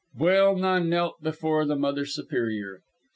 Buelna knelt before the Mother Superior.